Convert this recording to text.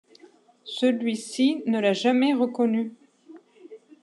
Celui-ci ne l’a jamais reconnu.